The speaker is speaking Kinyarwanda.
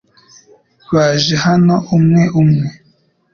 Baje hano umwe umwe.